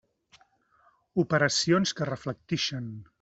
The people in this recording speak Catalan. Operacions que reflectixen.